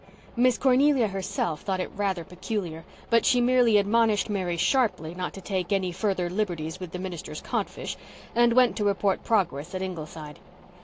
Miss Cornelia herself thought it rather peculiar, but she merely admonished Mary sharply not to take any further liberties with the minister's codfish, and went to report progress at Ingleside.